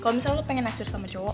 kalo misalnya lo pengen naksir sama cowo